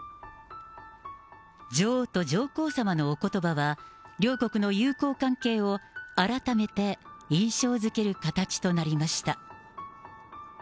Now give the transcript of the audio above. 女王と上皇后さまのおことばは、両国の友好関係を改めて印象づける形となりました。